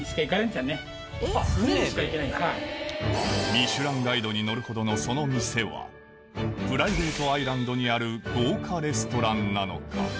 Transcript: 『ミシュランガイド』に載るほどのその店はプライベートアイランドにある豪華レストランなのか？